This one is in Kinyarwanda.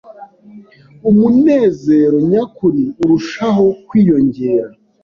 umunezero nyakuri urushaho kwiyongera.